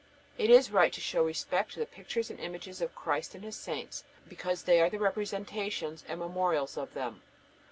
It is right to show respect to the pictures and images of Christ and His saints, because they are the representations and memorials of them.